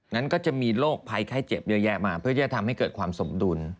นั้นก็จะมีโรคภัยไข้เจ็บเยอะแยะมาเพื่อจะทำให้เกิดความสมดุล